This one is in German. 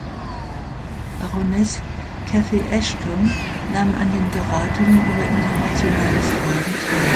Baroness Cathy Ashton nahm an den Beratungen über internationale Fragen teil.